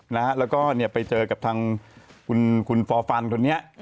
แล้วก็เนี่ยไปเจอกับทางคุณฟอร์ฟันคนนี้